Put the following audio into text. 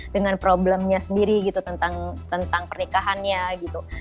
dengan problemnya sendiri gitu tentang pernikahannya gitu